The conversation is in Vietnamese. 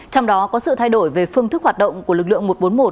trong đó có sự thay đổi về phương thức hoạt động của lực lượng một trăm bốn mươi một